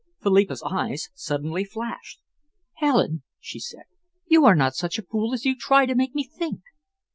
Philippa's eyes suddenly flashed. "Helen," she said, "you are not such a fool as you try to make me think.